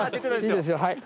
いいですよはい。